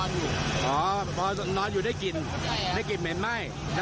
มีความรู้สึกว่าเกิดอะไรขึ้น